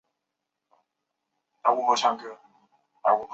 附近有台北捷运府中站及亚东医院站。